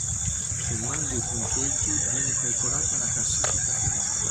Sommando i punteggi viene calcolata la classifica finale.